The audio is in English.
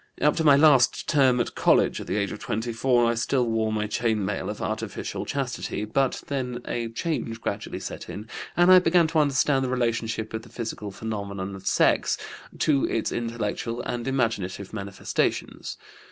Up to my last term at college at the age of 24 I still wore my chain mail of artificial chastity; but then a change gradually set in, and I began to understand the relationship of the physical phenomena of sex to its intellectual and imaginative manifestations.